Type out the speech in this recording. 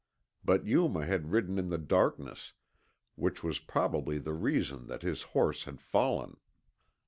But Yuma had ridden in the darkness, which was probably the reason that his horse had fallen.